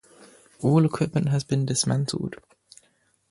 All equipment has been dismantled.